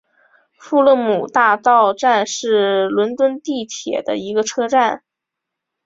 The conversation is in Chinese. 富勒姆大道站是伦敦地铁的一个车站。